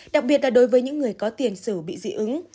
đặc biệt là đối với những người có tiền sử bị dị ứng